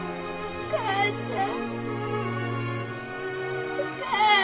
お母ちゃん。